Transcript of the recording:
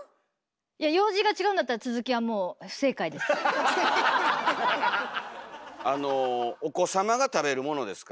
いや楊枝が違うんだったらあのお子様が食べるものですから。